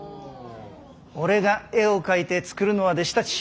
俺が絵を描いて作るのは弟子たち。